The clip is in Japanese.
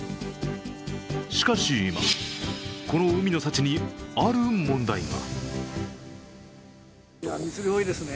しかし今、この海の幸にある問題が。